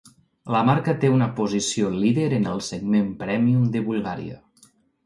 La marca té una posició líder en el segment prèmium de Bulgària.